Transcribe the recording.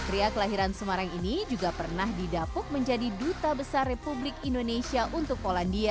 pria kelahiran semarang ini juga pernah didapuk menjadi duta besar republik indonesia untuk polandia